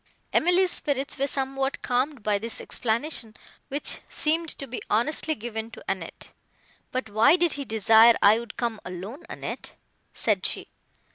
Emily's spirits were somewhat calmed by this explanation, which seemed to be honestly given to Annette. "But why did he desire I would come alone, Annette?" said she.